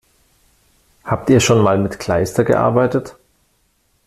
Habt ihr schon mal mit Kleister gearbeitet?